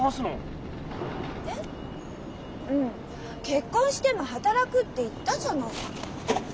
「結婚しても働く」って言ったじゃない。